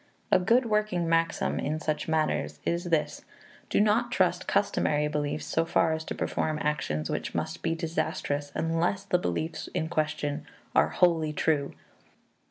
A good working maxim in such matters is this: Do not trust customary beliefs so far as to perform actions which must be disastrous unless the beliefs in question are wholly true.